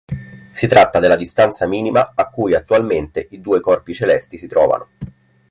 Si tratta della distanza minima a cui attualmente i due corpi celesti si trovano.